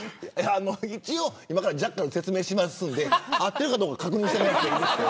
一応、今から説明しますんで合ってるかどうか確認してもらっていいですか。